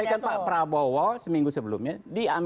itu disampaikan pak prabowo seminggu sebelumnya